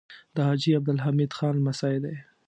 د حاجي عبدالمجید خان لمسی دی.